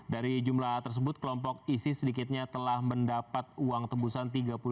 dari jumlah tersebut kelompok isis sedikitnya telah mendapat uang tebusan